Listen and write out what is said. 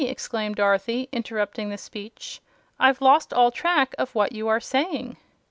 exclaimed Dorothy, interrupting the speech. "I've lost all track of what you are saying."